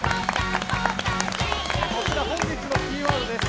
こちら本日のキーワードです。